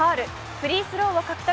フリースローを獲得。